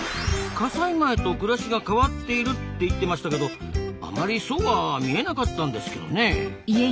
火災前と暮らしが変わっているって言ってましたけどあまりそうは見えなかったんですけどねえ。